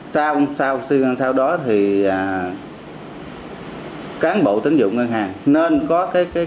sau đó thì cán bộ tín dụng cho cán bộ vay tính chấp ngân hàng thì chúng ta nên kiểm tra kỹ thông tin của cán bộ vi dụng ngân hàng